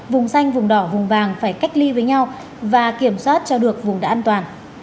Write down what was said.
vùng xanh vùng đỏ vùng vàng phải cách ly với nhau và kiểm soát cho được vùng đã an toàn